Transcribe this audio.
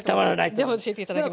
では教えて頂きます。